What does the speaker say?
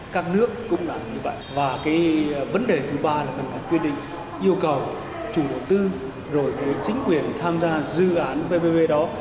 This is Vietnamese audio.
và cái vấn đề thứ ba là cần phải quyết định yêu cầu chủ đầu tư rồi chính quyền tham gia dự án vvv đó